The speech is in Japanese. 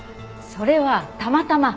それはたまたま。